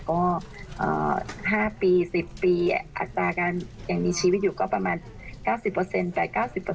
ก็๕ปี๑๐ปีอัตราการยังมีชีวิตอยู่ก็ประมาณ๙๐จ่าย๙๐